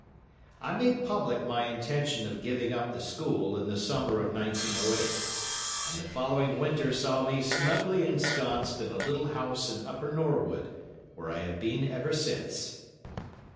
I made public my intention of giving up the school in the summer of 1908, and the following winter saw me snugly ensconced in a little house in Upper Norwood, where I have been ever since.